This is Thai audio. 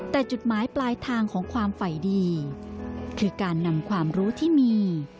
แต่จุดหมายปลายทางของความฝ่ายดีคือการนำความรู้ที่มี